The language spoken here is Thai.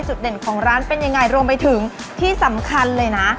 เด่นของร้านเป็นยังไงรวมไปถึงที่สำคัญเลยนะ